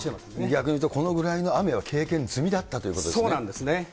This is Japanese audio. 逆に言うと、このぐらいの雨は経験済みだったということですね。